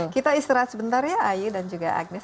kita istirahat sebentar ya ayu dan juga agnes